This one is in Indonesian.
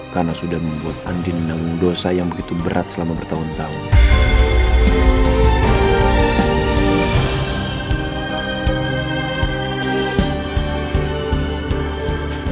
karena sudah membuat andi menanggung dosa yang begitu berat selama bertahun tahun